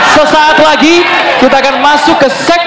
sesaat lagi kita akan masuk ke segmen